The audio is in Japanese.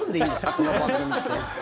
この番組って。